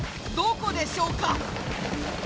どこでしょうか？